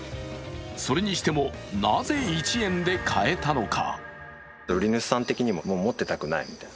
それにしても、なぜ、１円で買えたのか。